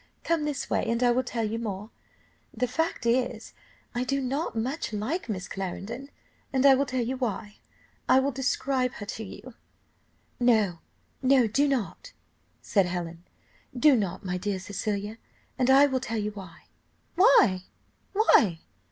Come this way and I will tell you more. The fact is, I do not not much like Miss Clarendon, and I will tell you why I will describe her to you." "No, no, do not," said Helen; "do not, my dear Cecilia, and I will tell you why." "Why why?"